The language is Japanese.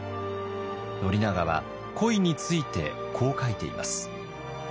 宣長は恋についてこう書いています。